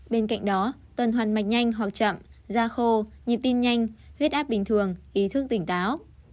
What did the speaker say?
bên cạnh đó tuần hoàn mạch nhanh hoặc chậm da khô nhịp tim nhanh huyết áp bình thường ý thức tỉnh táo